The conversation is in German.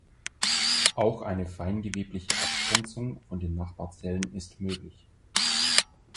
Auch eine feingewebliche Abgrenzung von den Nachbarzellen ist möglich.